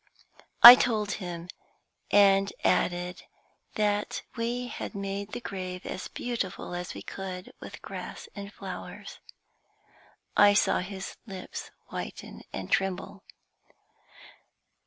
I told him, and added that we had made the grave as beautiful as we could with grass and flowers. I saw his lips whiten and tremble.